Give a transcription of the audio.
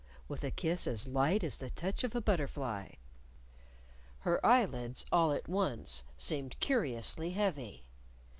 with a kiss as light as the touch of a butterfly. Her eyelids, all at once, seemed curiously heavy.